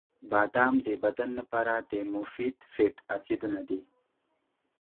• بادام د بدن لپاره د مفید فیټ اسیدونه لري.